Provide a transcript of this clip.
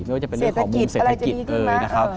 ไม่ว่าจะเป็นเรื่องของมุมเศรษฐกิจเอ่ยนะครับ